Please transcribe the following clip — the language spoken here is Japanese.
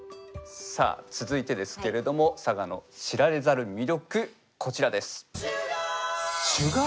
さあ続いてですけれども佐賀の知られざる魅力こちらです。